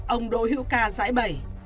ông đỗ hữu ca giải bẩy